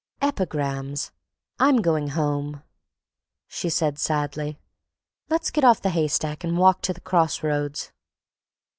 "Epigrams. I'm going home," she said sadly. "Let's get off the haystack and walk to the cross roads."